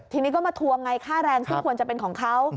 ทีนี้ก็มาทวงไงค่าแรงซึ่งควรจะเป็นของเขา